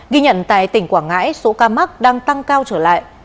ghi nhận tại tỉnh quảng ngãi số ca mắc đang tăng cao trở lại